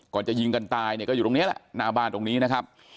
จะยิงกันตายเนี่ยก็อยู่ตรงนี้แหละหน้าบ้านตรงนี้นะครับ